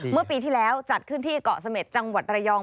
เมื่อปีที่แล้วจัดขึ้นที่เกาะเสม็จจังหวัดระยอง